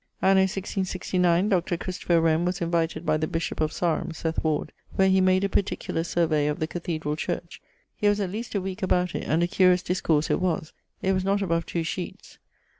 Anno 1669, Dr. Christopher Wren was invited by the bishop of Sarum (Seth Ward), where he made a particular survey of the cathedrall church[DA]. He was at least a weeke about it, and a curious discourse it was: it was not above two sheetes.